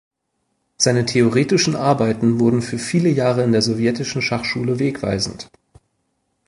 Seine theoretischen Arbeiten wurden für viele Jahre in der Sowjetischen Schachschule wegweisend.